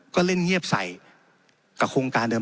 ก็เล่นเงียบใส่กับโครงการเดิม